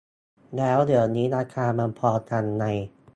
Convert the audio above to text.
แล้วเดี๋ยวนี้ราคามันพอกันไง